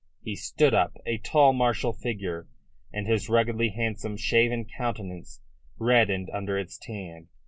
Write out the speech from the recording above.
He stood up, a tall, martial figure, and his ruggedly handsome, shaven countenance reddened under its tan.